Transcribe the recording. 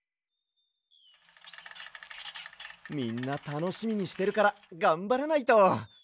みんなたのしみにしてるからがんばらないと。